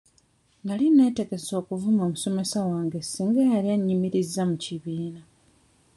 Nali neetegese okuvuma omusomesa wange singa yali annyimirizza mu kibiina.